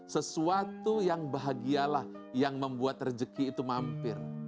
sesuatu yang bahagialah yang membuat rezeki itu mampir